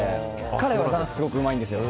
彼はダンスすごくうまいんですよ。